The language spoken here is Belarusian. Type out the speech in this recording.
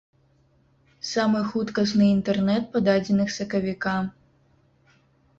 Самы хуткасны інтэрнэт па дадзеных сакавіка.